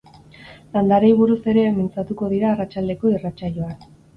Landareei buruz ere mintzatuko dira arratsaldeko irratsaioan.